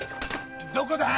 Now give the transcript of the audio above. どこだ？